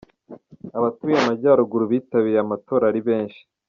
Abatuye Amajyaruguru bitabiriye amatora ari benshi.